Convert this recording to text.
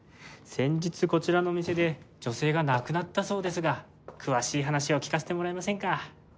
先日こちらの店で女性が亡くなったそうですが詳しい話を聞かせてもらえませんか？